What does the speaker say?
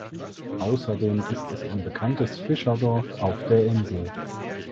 Außerdem ist es ein bekanntes Fischerdorf auf der Insel.